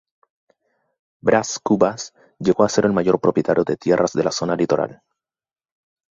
Brás Cubas llegó a ser el mayor propietario de tierras de la zona litoral.